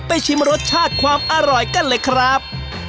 ชิมรสชาติความอร่อยกันเลยครับ